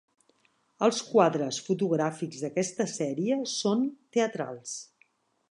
Els "quadres" fotogràfics d'aquesta sèrie són teatrals.